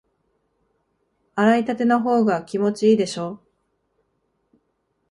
洗いたてのほうが気持ちいいでしょ？